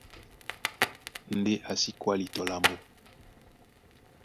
Ndé a sí kwáli tɔ lambo.